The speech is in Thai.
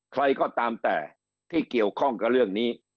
ใครก็ตามแต่ที่เกี่ยวข้องกับเรื่องนี้